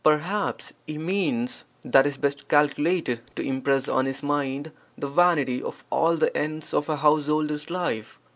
Perhaps he means that that is best calculated to impress on his mind the vanity of all the ends of a householder's life.